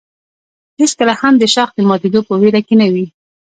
هېڅکله هم د شاخ د ماتېدو په ویره کې نه وي.